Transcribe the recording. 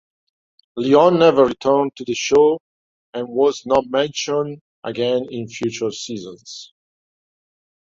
Leon never returned to the show and was not mentioned again in future seasons.